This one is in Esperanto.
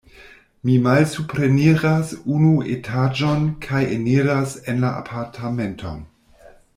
Mi malsupreniras unu etaĝon kaj eniras en la apartamenton.